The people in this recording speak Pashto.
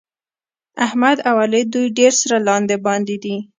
احمد او علي دوی ډېر سره لاندې باندې دي.